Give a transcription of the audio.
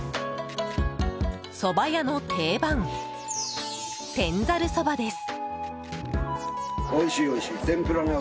そば屋の定番、天ざるそばです。